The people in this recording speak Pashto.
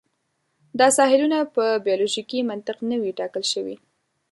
دا ساحلونه په بیولوژیکي منطق نه وې ټاکل شوي.